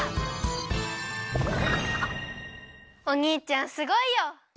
おにいちゃんすごいよ。